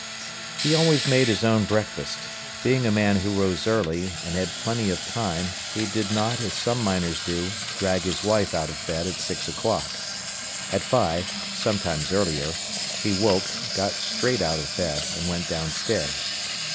He always made his own breakfast. Being a man who rose early and had plenty of time he did not, as some miners do, drag his wife out of bed at six o'clock. At five, sometimes earlier, he woke, got straight out of bed, and went downstairs.